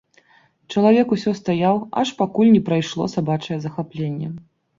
Чалавек усё стаяў, аж пакуль не прайшло сабачае захапленне.